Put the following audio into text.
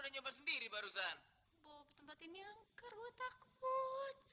bawa tempat ini angker gue takut